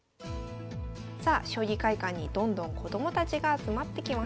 さあ将棋会館にどんどん子どもたちが集まってきました。